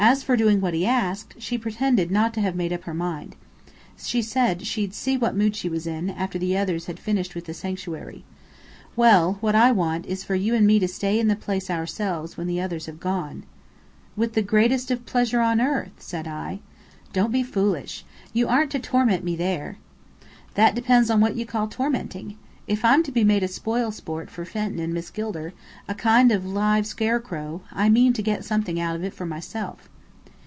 As for doing what he asked, she pretended not to have made up her mind. She said she'd 'see what mood she was in,' after the others had finished with the sanctuary. Well, what I want, is for you and me to stay in the place ourselves when the others have gone." "With the greatest of pleasure on earth!" said I. "Don't be foolish. You aren't to torment me there." "That depends on what you call 'tormenting.' If I'm to be made a spoil sport for Fenton and Miss Gilder, a kind of live scarecrow, I mean to get something out of it for myself."